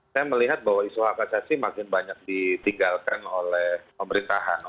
saya melihat bahwa isu hak asasi makin banyak ditinggalkan oleh pemerintahan